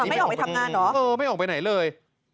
ไม่ออกไปทำงานเหรอเออไม่ออกไปไหนเลย